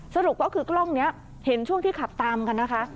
สรุปก็คือกล้องนี้เห็นช่วงที่ขับตามกันนะคะ